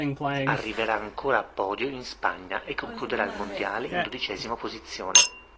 Arriverà ancora a podio in Spagna e concluderà il mondiale in dodicesima posizione.